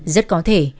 rất có thi